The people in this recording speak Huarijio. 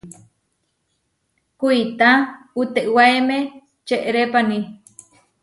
Kuitá utewáeme čeʼrépani.